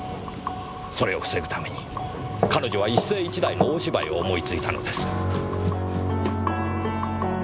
それを防ぐために彼女は一世一代の大芝居を思いついたのです。